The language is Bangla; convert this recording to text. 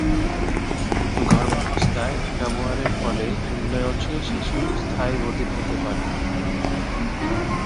গর্ভাবস্থায় ব্যবহারের ফলে উন্নয়নশীল শিশু স্থায়ী বধির হতে পারে।